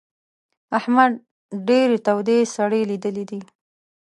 احمد ډېرې تودې سړې ليدلې دي.